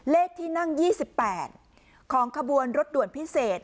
เลขที่นั่ง๒๘ของขบวนรถด่วนพิเศษ